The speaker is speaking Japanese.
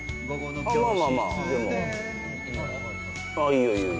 いいよいいよ